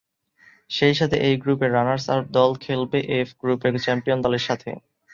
সেই সাথে এই গ্রুপের রানার্স-আপ দল খেলবে এফ গ্রুপের চ্যাম্পিয়ন দলের সাথে।